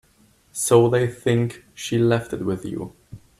So they think she left it with you.